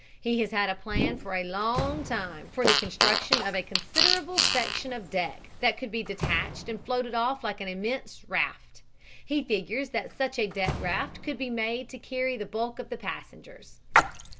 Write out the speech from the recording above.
He has had a plan for a long time for the construction of a considerable section of deck that could be detached and floated off like an immense raft. He figures that such a deck raft could be made to carry the bulk of the passengers.